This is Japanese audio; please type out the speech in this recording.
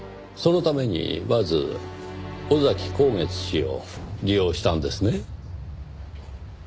そのためにまず尾崎孝月氏を利用したんですね。